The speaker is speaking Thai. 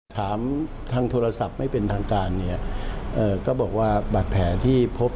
ถามทางโทรศัพท์ไม่เป็นทางการเนี่ยเอ่อก็บอกว่าบาดแผลที่พบ